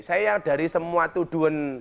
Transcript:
saya dari semua tuduhan